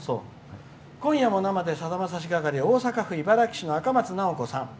「今夜も生でさだまさし」係大阪・茨木市のあかまつなおこさん。